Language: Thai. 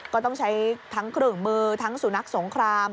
ก็ต้องใช้ทั้งเครื่องมือทั้งสุนัขสงคราม